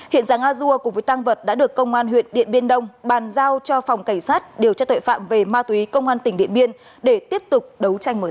hiện giáng a dua cùng với tăng vật đã được công an huyện điện biên đông bàn giao cho phòng cảnh sát điều tra tội phạm về ma túy công an tỉnh điện biên để tiếp tục đấu tranh mở rộng